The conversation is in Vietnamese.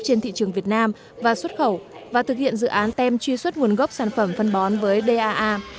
trên thị trường việt nam và xuất khẩu và thực hiện dự án tem truy xuất nguồn gốc sản phẩm phân bón với daaa